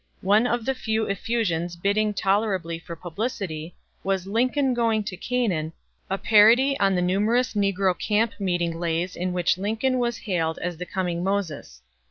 One of the few effusions bidding tolerably for publicity was "Lincoln Going to Canaan," a parody on the numerous negro camp meeting lays in which Lincoln was hailed as the coming Moses.